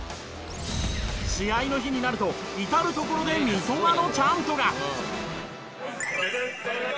試合の日になると至る所で三笘のチャントが！